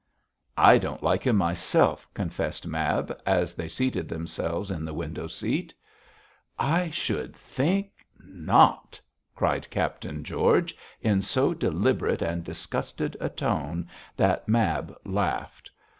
'I don't like him myself,' confessed Mab, as they seated themselves in the window seat. 'I should think not!' cried Captain George, in so deliberate and disgusted a tone that Mab laughed.